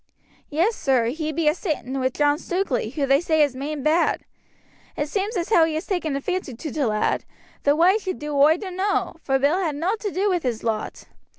"Yes, sir, he be a sitting with John Stukeley, who they say is main bad. It seems as how he has taken a fancy to t' lad, though why he should oi dunno, for Bill had nowt to do wi' his lot.